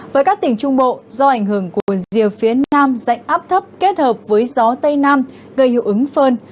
với các tỉnh trung bộ do ảnh hưởng của rìa phía nam dạnh áp thấp kết hợp với gió tây nam gây hiệu ứng phơn